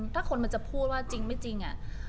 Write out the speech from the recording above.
ถ้าคนจะพูดว่าจริงไม่จริง